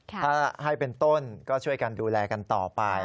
ถ้าให้เป็นต้นก็ช่วยกันดูแลกันต่อไป